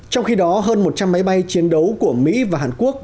trong khi đó hơn một trăm linh máy bay chiến đấu của mỹ và hàn quốc